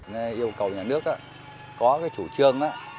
nên yêu cầu nhà nước có chủ trương